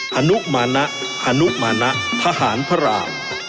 ฮนุมาณะฮนุมาณะทหารพระอาบ